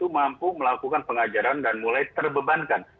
dia belum mampu melakukan pengajaran dan mulai terbebankan